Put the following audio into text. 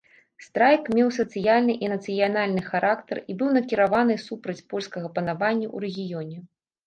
Страйк меў сацыяльны і нацыянальны характар і быў накіраваны супраць польскага панавання ў рэгіёне.